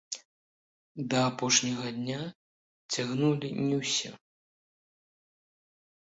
Да апошняга дня цягнулі не ўсе.